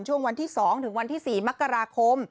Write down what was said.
ช่วงวันที่๒ถึงวันที่๔มกราคม